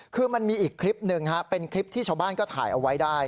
คือมันมีอีกคลิปหนึ่งเป็นคลิปที่ชาวบ้านก็ถ่ายเอาไว้ได้